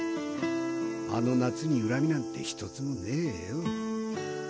あの夏に恨みなんてひとつもねえよ。